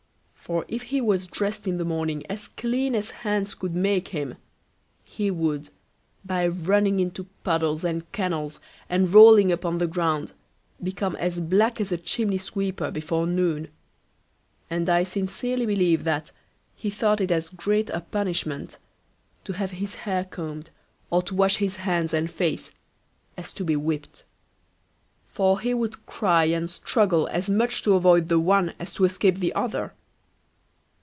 For if he was dressed in the morning as clean as hands could make him, he would, by running into puddles and kennels, and rolling upon the ground, become as black as a chimney sweeper before noon; and I sincerely believe that he thought it as great a punishment to have his hair combed, or to wash his hands and face, as to be whipped; for he would cry and struggle as much to avoid the one as to escape the other.